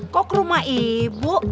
kok ke rumah ibu